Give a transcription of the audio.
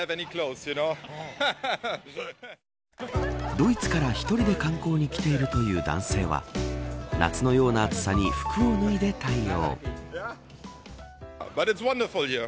ドイツから１人で観光に来ているという男性は夏のような暑さに服を脱いで対応。